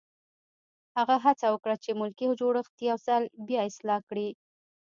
هغه هڅه وکړه چې ملکي جوړښت یو ځل بیا اصلاح کړي.